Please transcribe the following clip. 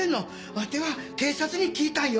わては警察に聞いたんよ。